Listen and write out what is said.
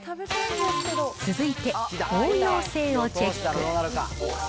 続いて応用性をチェック。